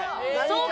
そうか。